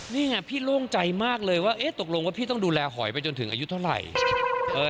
นี่ไงพี่โล่งใจมากเลยว่าตกลงว่าพี่ต้องดูแลหอยไปจนถึงอายุเท่าไหร่